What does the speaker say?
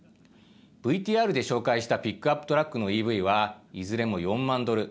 ＶＴＲで紹介したピックアップトラックのＥＶはいずれも４万ドル。